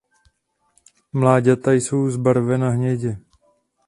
Mláďata jsou zbarvena hnědě.